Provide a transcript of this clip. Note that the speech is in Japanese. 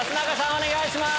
お願いします。